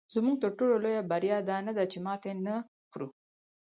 زموږ تر ټولو لویه بریا دا نه ده چې ماتې نه خورو.